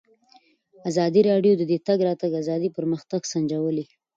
ازادي راډیو د د تګ راتګ ازادي پرمختګ سنجولی.